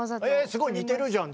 すごい似てるじゃん。